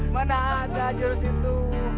mana ada jurus itu